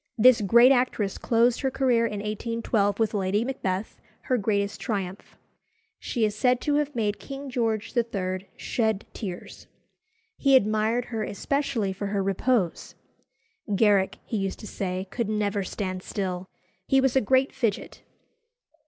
This great actress closed her career in 1812 with Lady Macbeth, her greatest triumph. She is said to have made King George III. shed tears. He admired her especially for her repose. "Garrick," he used to say, "could never stand still. He was a great fidget."